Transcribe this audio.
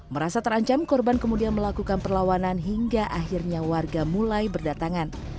merasa terancam korban kemudian melakukan perlawanan hingga akhirnya warga mulai berdatangan